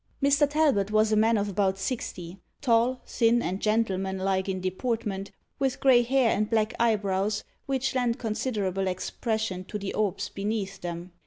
Mr. Talbot was a man of about sixty tall, thin, and gentlemanlike in deportment, with grey hair, and black eyebrows, which lent considerable expression to the orbs beneath them.